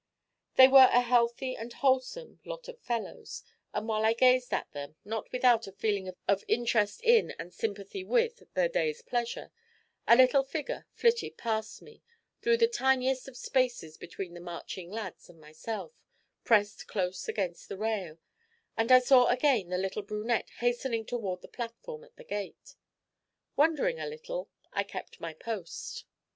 They were a healthy and wholesome lot of fellows, and while I gazed at them, not without a feeling of interest in and sympathy with their day's pleasure, a little figure flitted past me, through the tiniest of spaces between the marching lads and myself, pressed close against the rail, and I saw again the little brunette hastening toward the platform at the gate. Wondering a little, I kept my post.